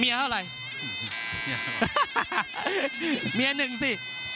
เมียเท่าไรเมียหนึ่งสิ